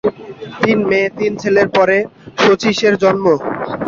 তিন মেয়ে, তিন ছেলের পরে শচীশের জন্ম।